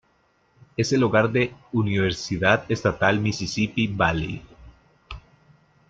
Es el hogar de Universidad Estatal Mississippi Valley.